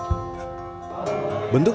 pertama pantai pantai pantai